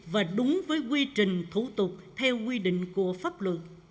và đúng với quy trình thủ tục theo quy định của pháp luật